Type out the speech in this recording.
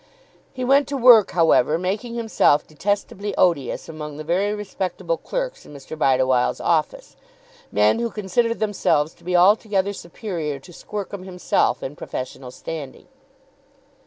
He went to work, however, making himself detestably odious among the very respectable clerks in Mr. Bideawhile's office, men who considered themselves to be altogether superior to Squercum himself in professional standing.